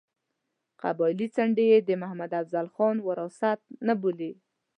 قبایلي څنډه یې د محمد افضل خان وراثت نه بولي.